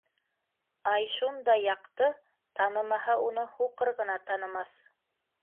Ай шундай яҡты, танымаһа уны, һуҡыр ғына танымаҫ...